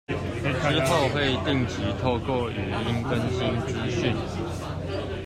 之後會定期透過語音更新資訊